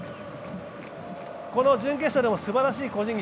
この準決勝でもすばらしい個人技。